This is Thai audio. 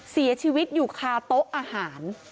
เสียชีวิตอยู่คาโต๊ะอาหาร